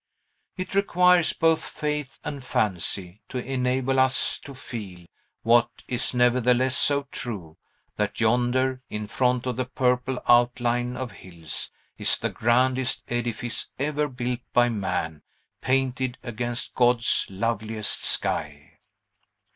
It requires both faith and fancy to enable us to feel, what is nevertheless so true, that yonder, in front of the purple outline of hills, is the grandest edifice ever built by man, painted against God's loveliest sky.